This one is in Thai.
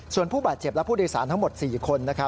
ส่วนผู้บาดเจ็บและผู้โดยสารทั้งหมด๔คน